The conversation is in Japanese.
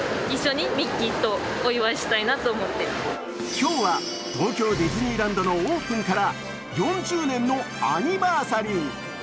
今日は東京ディズニーランドのオープンから４０年のアニバーサリー。